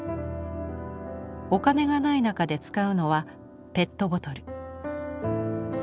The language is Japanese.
お金がない中で使うのはペットボトル。